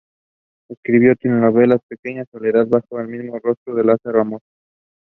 Her personal interests included poetry and backpacking.